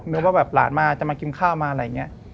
นึกว่าแบบหลานมาจะมากินข้าวมาอะไรอย่างนี้